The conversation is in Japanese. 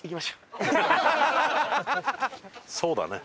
そうだね。